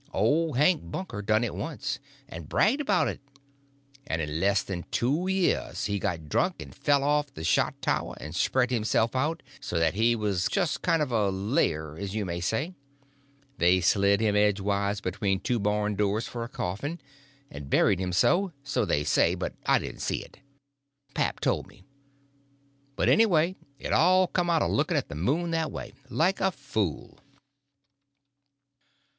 Old Hank Bunker done it once, and bragged about it; and in less than two years he got drunk and fell off of the shot tower, and spread himself out so that he was just a kind of a layer, as you may say; and they slid him edgeways between two barn doors for a coffin, and buried him so, so they say, but I didn't see it. Pap told me. But anyway it all come of looking at the moon that way, like a fool.